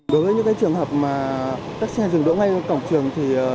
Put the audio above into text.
đối với những trường hợp các xe dừng đỗ ngay cổng trường